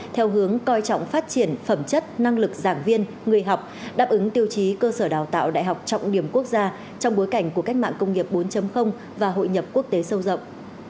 theo hướng coi trọng phát triển phẩm chất năng lực giảng viên người học đáp ứng tiêu chí cơ sở đào tạo đại học trọng điểm quốc gia trong bối cảnh của cách mạng công nghiệp bốn và hội nhập quốc tế sâu rộng